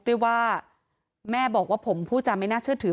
ด้วยว่าแม่บอกว่าผมผู้จำไม่น่าเชื่อถือ